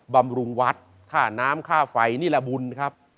บำรุงวัดค่าน้ำค่าไฟนี่แหละบุญครับ